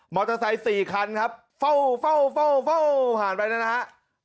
มอเตอร์ไซต์๔คันครับเฝ้าผ่านไปแล้วนะครับ